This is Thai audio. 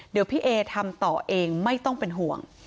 เดี๋ยวพี่เอทำต่อเองไม่ต้องเป็นห่วง